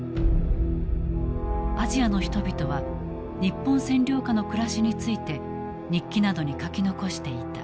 アジアの人々は日本占領下の暮らしについて日記などに書き残していた。